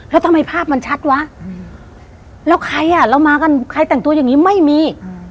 แล้วทำไมภาพมันชัดวะแล้วใครอ่ะเรามากันใครแต่งตัวอย่างนี้ไม่มี